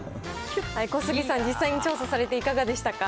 小杉さん、実際に調査されていかがでしたか。